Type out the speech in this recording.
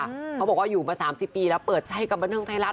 เขาบอกว่าอยู่มา๓๐ปีแล้วเปิดใจกับบันเทิงไทยรัฐ